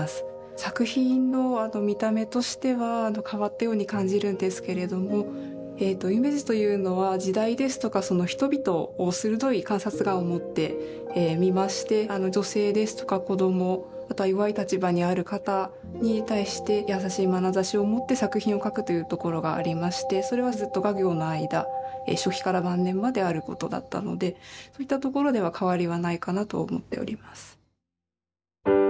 作品の見た目としては変わったように感じるんですけれども夢二というのは時代ですとかその人々を鋭い観察眼を持って見まして女性ですとか子供また弱い立場にある方に対して優しいまなざしを持って作品を描くというところがありましてそれはずっと画業の間初期から晩年まであることだったのでそういったところでは変わりはないかなと思っております。